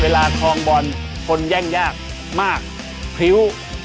ทองบอลคนแย่งยากมากพริ้ว